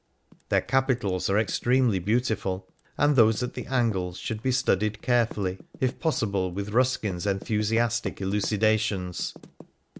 Their capitals are ex tremely beautiful, and those at the angles should be studied carefully, if possible with Ruskin's enthusiastic elucidations.